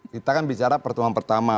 kita kan bicara pertemuan pertama